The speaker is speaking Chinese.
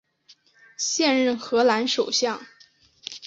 现任荷兰首相。